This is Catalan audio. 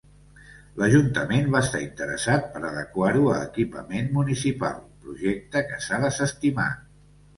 L'Ajuntament va estar interessat per adequar-ho a equipament municipal, projecte que s'ha desestimat.